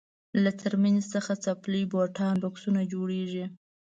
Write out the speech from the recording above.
له څرمنې څخه څپلۍ بوټان بکسونه جوړیږي.